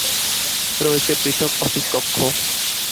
রয়েছে পৃথক অফিস কক্ষ।